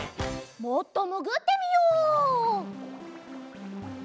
もっともぐってみよう。